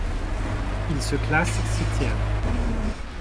Ils se classent septièmes.